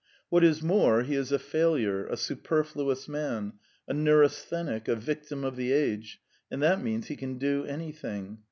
What is more, he is a failure, a superfluous man, a neurasthenic, a victim of the age, and that means he can do anything.